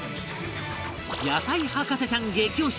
野菜博士ちゃん激推し！